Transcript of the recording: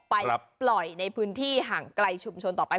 ไปปล่อยในพื้นที่ห่างไกลชุมชนต่อไป